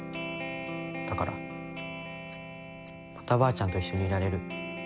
だからまたばあちゃんと一緒にいられる。